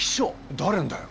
誰のだよ？